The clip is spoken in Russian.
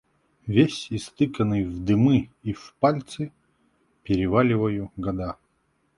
Весь истыканный в дымы и в пальцы, переваливаю года.